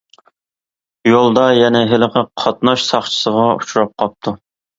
يولدا يەنە ھېلىقى قاتناش ساقچىسىغا ئۇچراپ قاپتۇ.